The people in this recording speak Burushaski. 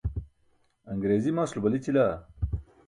aṅriizi maslo balićila?